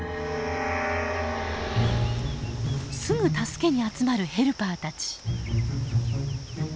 すぐ助けに集まるヘルパーたち。